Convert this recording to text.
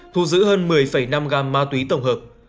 thu giữ hơn một mươi năm gam ma túy tổng hợp